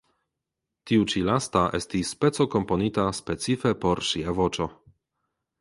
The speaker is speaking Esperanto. Tiu ĉi lasta estis peco komponita specife por ŝia voĉo.